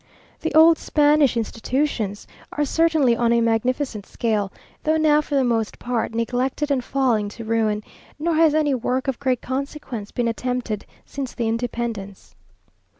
These old Spanish institutions are certainly on a magnificent scale, though now for the most part neglected and falling to ruin; nor has any work of great consequence been attempted since the independence....